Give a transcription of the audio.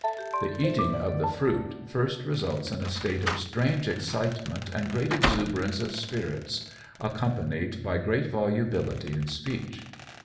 The eating of the fruit first results in a state of strange excitement and great exuberance of spirits, accompanied by great volubility in speech.